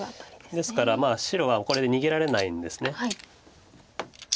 ですから白はこれで逃げられないんです。